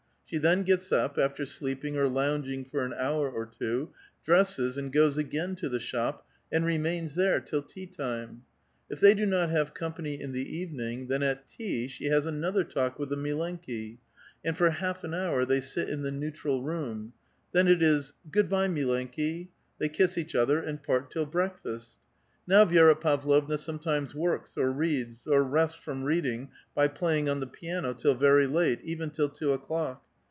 She then gets up, after sleeping or lounging for an hour or two, dresses, and goes again to the shop, and remains there till tea lime. Jf they do not have company in the evening, then at tea she has another talk with the miletiki\ and for half an hour they sit in the neutral room ; then it is, ^^Vo nveddnya^ tuilenhi" ; they kiss each other, and part till breakfast. Now Vi<!;ra Pavlovna sometimes works or reads, or rests from reading by phiying on the piano, till very late, even till two o'clock.